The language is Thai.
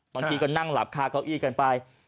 บางทีก็นั่งหลับคาเก้าอี้กันไป